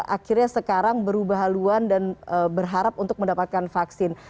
akhirnya sekarang berubah haluan dan berharap untuk mendapatkan vaksin